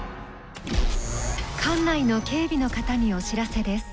館内の警備の方にお知らせです。